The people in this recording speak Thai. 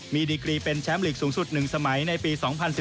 มีดีกรีเป็นแชมป์ลีกสูงสุด๑สมัยในปี๒๐๑๘